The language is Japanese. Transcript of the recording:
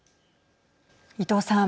伊藤さん